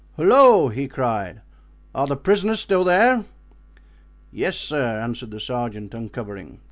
"Halloo!" he cried, "are the prisoners still there?" "Yes, sir," answered the sergeant, uncovering.